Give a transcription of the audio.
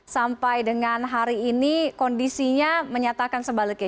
sampai dengan hari ini kondisinya menyatakan sebaliknya